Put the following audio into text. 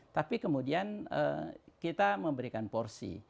tapi kemudian kita memberikan porsi